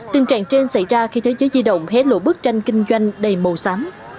tình trạng trên xảy ra khi thế giới di động hé lộ bức tranh kinh doanh đầy màu xám